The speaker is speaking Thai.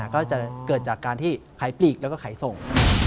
ก็จะเกิดจากการที่ขายปลีกแล้วก็ขายส่ง